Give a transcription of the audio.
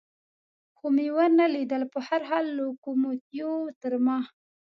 خو مې و نه لیدل، په هر حال لوکوموتیو تر ما.